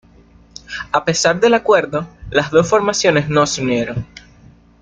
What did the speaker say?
A pesar del acuerdo, las dos formaciones no se unieron.